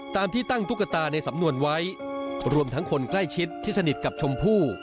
ตามที่ตั้งตุ๊กตาในสำนวนไว้รวมทั้งคนใกล้ชิดที่สนิทกับชมพู่